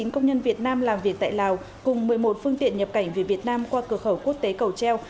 ba trăm bốn mươi chín công nhân việt nam làm việc tại lào cùng một mươi một phương tiện nhập cảnh về việt nam qua cửa khẩu quốc tế cầu treo